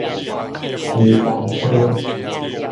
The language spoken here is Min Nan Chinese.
旗山溪